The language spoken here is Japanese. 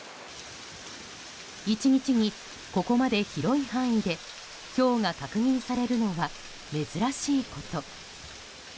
１日に、ここまで広い範囲でひょうが確認されるのは珍しいこと。